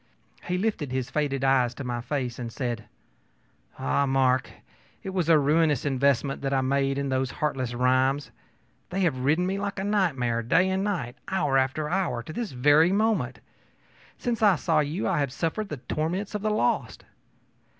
He lifted his faded eyes to my face and said: ōAh, Mark, it was a ruinous investment that I made in those heartless rhymes. They have ridden me like a nightmare, day and night, hour after hour, to this very moment. Since I saw you I have suffered the torments of the lost.